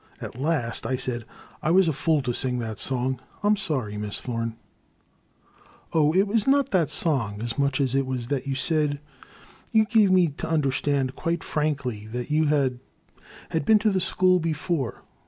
At last I said: '' I was a fool to sing that song; I *m sorry. Miss Thome.*' '* Oh, it was not the song as much as it was that you said — you gave me to understand quite frankly that you had — had been to the school be fore.